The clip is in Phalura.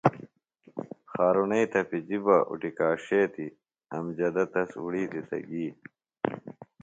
خارُݨئی تپِجیۡ بہ اُٹِکاݜیتیۡ۔ امجدہ تس اُڑیتیۡ تہ گی۔